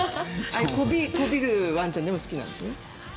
こびるワンちゃん好きなんですね。